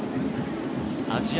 アジア